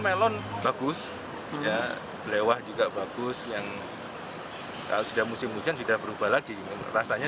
melon bagus ya belewah juga bagus yang kalau sudah musim hujan sudah berubah lagi rasanya